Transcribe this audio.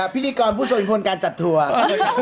พิธีกรผู้ทรงอิทธิพลการจัดทัวร์